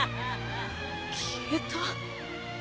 消えた？